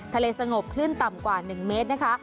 ทะเลสงบคลื่นต่ำกว่า๑เมตรนะคะ